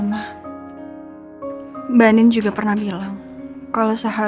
tapi gengsi lah